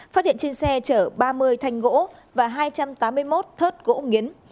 phát hiện trên xe chở ba mươi thanh gỗ và hai trăm tám mươi một thớt gỗ nghiến